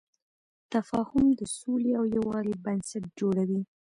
تفاهم د سولې او یووالي بنسټ جوړوي.